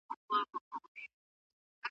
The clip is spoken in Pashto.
مــه كوه او مـــه اشـنـا